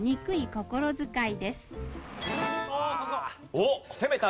おっ攻めた！